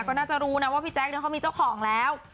ก็น่าจะรู้นะว่าพี่แจ๊คเขามีเจ้าของแล้ว